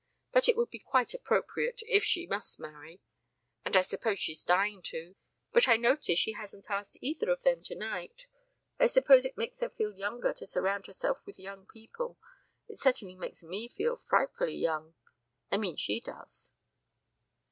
But it would be quite appropriate, if she must marry and I suppose she's dying to; but I notice she hasn't asked either of them tonight. I suppose it makes her feel younger to surround herself with young people. It certainly makes me feel frightfully young I mean she does."